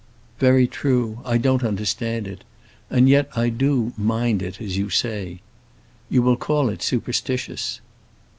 "Very true; I don't understand it. And yet I do 'mind it,' as you say. You will call it superstitious."